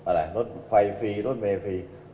อะไรรถไฟฟรีรถเมย์ฟรี